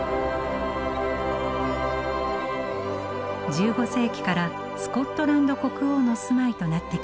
１５世紀からスコットランド国王の住まいとなってきました。